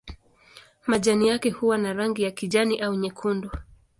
Majani yake huwa na rangi ya kijani au nyekundu.